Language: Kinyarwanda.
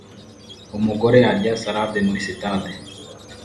Umugore arya salade muri stade